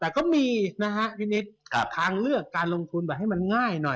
แต่ก็มีนะฮะพี่นิดทางเลือกการลงทุนแบบให้มันง่ายหน่อย